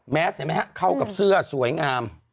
สเห็นไหมฮะเข้ากับเสื้อสวยงาม